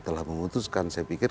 telah memutuskan saya pikir